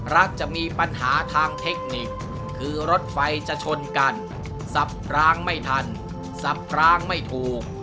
จะมีปัญหาทางเทคนิคคือรถไฟจะชนกันสับร้างไม่ทันสับร้างไม่ถูก